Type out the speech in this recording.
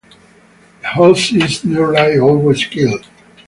The host is nearly always killed.